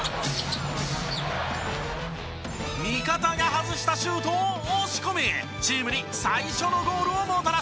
味方が外したシュートを押し込みチームに最初のゴールをもたらします。